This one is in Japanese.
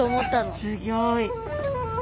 すギョい。